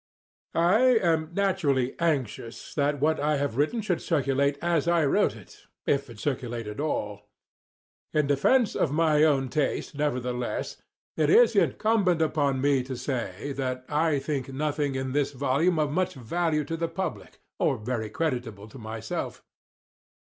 I am naturally anxious that what I have written should circulate as I wrote it, if it circulate at all. In defence of my own taste, nevertheless, it is incumbent upon me to say that I think nothing in this volume of much value to the public, or very creditable to myself.